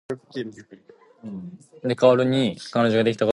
The Over-Governor was appointed by and reported to the King in Council.